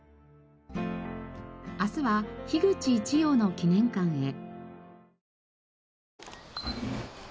明日は口一葉の記念館へ。